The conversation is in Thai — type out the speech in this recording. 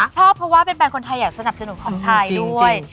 ชอบเพราะว่าเป็นแฟนคนไทยอยากสนับสนุนของไทยด้วย